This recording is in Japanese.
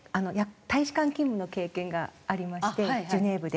大使館勤務の経験がありましてジュネーブで。